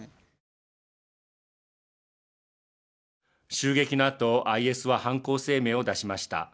襲撃のあとＩＳは犯行声明を出しました。